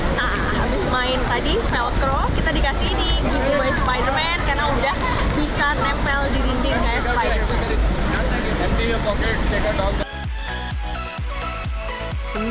nah habis main tadi velcro kita dikasih ini giveaway spiderman karena udah bisa nempel di dinding kayak spiderman